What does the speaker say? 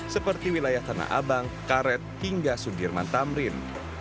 seperti wilayah tanah abang karet hingga sudirman tamrin